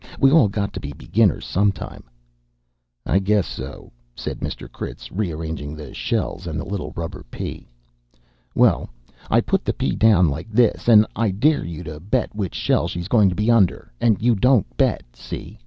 We all got to be beginners sometime." "I guess so," said Mr. Critz, rearranging the shells and the little rubber pea. "Well, I put the pea down like this, and I dare you to bet which shell she's goin' to be under, and you don't bet, see?